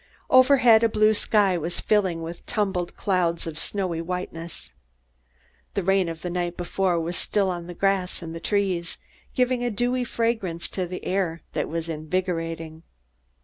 Overhead, a blue sky was filled with tumbled clouds of snowy whiteness. The rain of the night before was still on the grass and the trees, giving a dewy fragrance to the air that was invigorating.